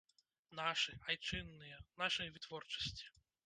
Нашы, айчынныя, нашай вытворчасці.